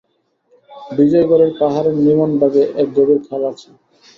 বিজয়গড়ের পাহাড়ের নিমনভাগে এক গভীর খাল আছে।